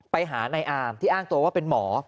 ไปหานายอามที่อ้างตัวว่าเป็นหมอ